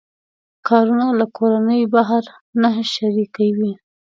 کارونه له کورنۍ بهر نه شریکوي.